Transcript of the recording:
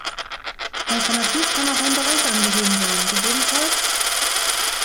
Alternativ kann auch ein Bereich angegeben sein, ggf.